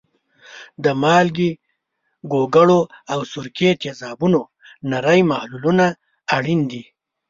د مالګې، ګوګړو او سرکې تیزابونو نری محلولونه اړین دي.